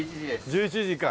１１時か。